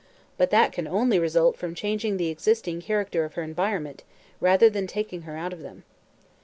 But that can only result from changing the existing character of her environment, rather than taking her out of them."